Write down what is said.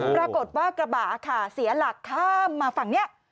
ปรากฏว่ากระบะเสียหลักข้ามมาฝั่งนี้